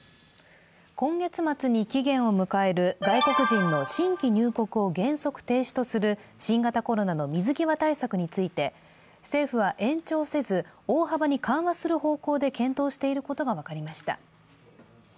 今月末に期限を迎える外国人の新規入国を原則停止とする新型コロナの水際対策について政府は延長せず、大幅に緩和する方向で検討していることが分かりました。